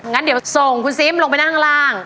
งั้นเดี๋ยวส่งคุณซิมลงไปนั่งข้างล่าง